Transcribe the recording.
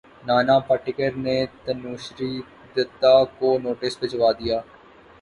نانا پاٹیکر نے تنوشری دتہ کو نوٹس بھجوا دیا